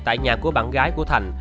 tại nhà của bạn gái của thành